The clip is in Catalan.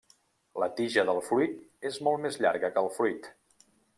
La tija del fruit és molt més llarga que el fruit.